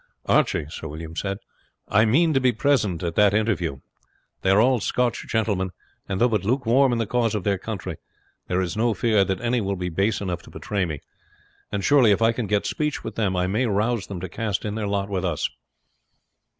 "Archie," Sir William said, "I mean to be present at the interview. They are all Scotch gentlemen, and though but lukewarm in the cause of their country, there is no fear that any will be base enough to betray me; and surely if I can get speech with them I may rouse them to cast in their lot with us."